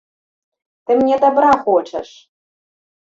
Ты мне дабра хочаш!